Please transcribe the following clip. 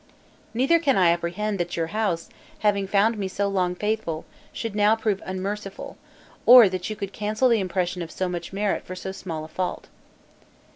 Neither can I apprehend, that your house, having found me so long faithful, should now prove unmerciful, or that you could cancel the impression of so much merit for so small a fault."